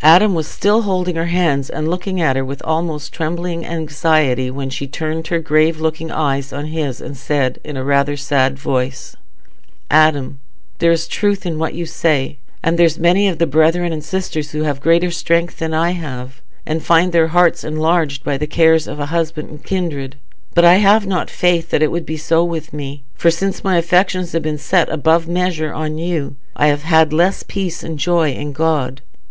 Adam was still holding her hands and looking at her with almost trembling anxiety, when she turned her grave loving eyes on his and said, in rather a sad voice, "Adam there is truth in what you say, and there's many of the brethren and sisters who have greater strength than I have, and find their hearts enlarged by the cares of husband and kindred. But I have not faith that it would be so with me, for since my affections have been set above measure on you, I have had less peace and joy in God.